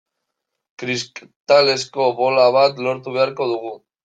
Kristalezko bola bat lortu beharko dugu.